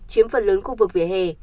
chiếm phần lớn khu vực vỉa hè